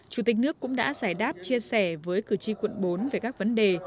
chủ tịch nước cũng đã giải đáp chia sẻ với cử tri quận bốn về các vấn đề